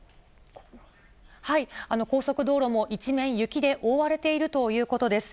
高速道路も一面雪で覆われているということです。